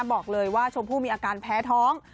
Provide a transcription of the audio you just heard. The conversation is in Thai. บอกเลยว่าชมพู่มีอาการแพ้ท้อง